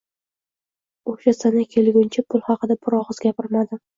O‘sha sana kelguncha pul haqida bir og‘iz gapirmadim.